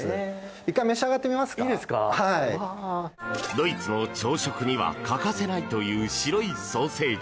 ドイツの朝食には欠かせないという白いソーセージ。